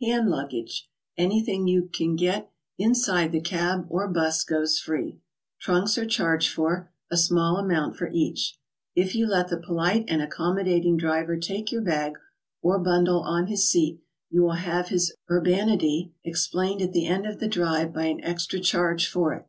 Hand luggage, — anything you can get inside the cab or bus, — goes free. Trunks are charged for, a small amount for each. If you let the polite and accommodating driver take your bag or bundle on his seat, you will have his urbanity explained at the end of the drive by an extra charge for it.